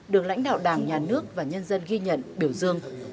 được lãnh đạo đảng nhà nước và nhân dân ghi nhận biểu dương